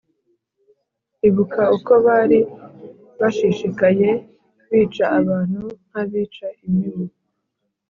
Ibuka uko bari bashishikaye Bica abantu nk’abica imibu